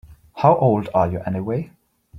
How old are you anyway?